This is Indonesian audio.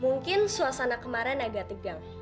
mungkin suasana kemarin agak tegang